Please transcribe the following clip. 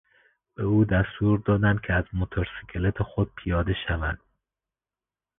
به او دستور دادند که از موتورسیکلت خود پیاده شود.